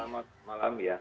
selamat malam ya